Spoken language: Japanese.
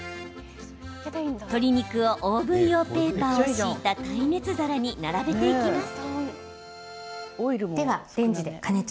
鶏肉をオーブン用ペーパーを敷いた耐熱皿に並べていきます。